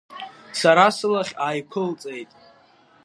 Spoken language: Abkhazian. Сара сылахь ааиқәылҵеит.